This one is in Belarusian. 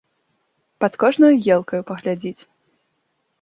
Пад кожнаю елкаю паглядзіць.